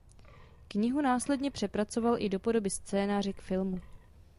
Knihu následně přepracoval i do podoby scénáře k filmu.